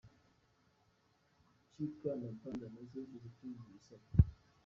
Jquicker na Panda nazo ziri kuzuza ibisabwa.